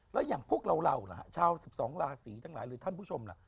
แล้วอย่างพวกเราล่ะชาว๑๒ราศีทั้งหลายหรือท่านผู้ชมล่ะ